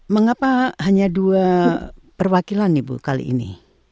mengapa hanya dua perwakilan ibu kali ini